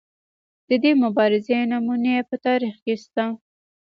د دې مبارزې نمونې په تاریخ کې شته.